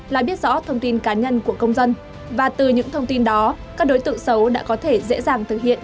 lại biết rõ thông tin cá nhân của công dân và từ những thông tin đó các đối tượng xấu đã có thể dễ dàng thực hiện